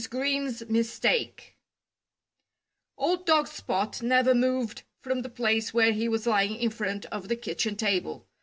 GREEN'S MISTAKE Old dog Spot never moved from the place where he was lying in front of the kitchen table.